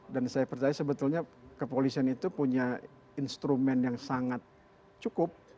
dan saya percaya sebetulnya kepolisian itu punya instrumen yang sangat cukup